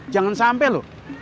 jangan sampe loh